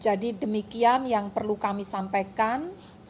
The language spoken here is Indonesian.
jadi demikian yang perlu kami sampaikan